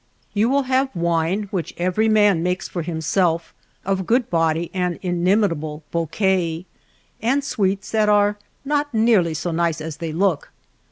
You will have wine which every man makes for himself, of good body and inimitable bouquet, and sweets that are not nearly so nice as they look.